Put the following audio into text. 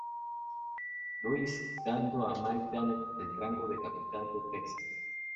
Louis, dando a McDaniel el rango de capitán de Texas.